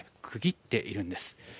区切っているんです。